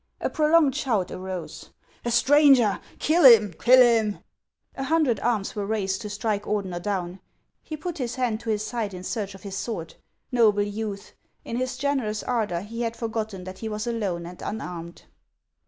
A prolonged shout arose. " A stranger ! Kill him ! kill him !'' A hundred arms were raised to strike Ordener down. He put his hand to his side in search of his sword. Xoble youth ! In his generous ardor he had forgotten that he was alone and unarmed.